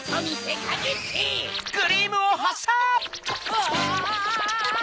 うわ！